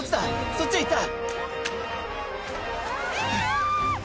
そっちへ行った！